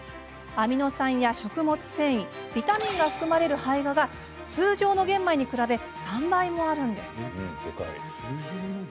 アミノ酸や、食物繊維ビタミンが含まれる胚芽が通常の玄米に比べて３倍もあるんです。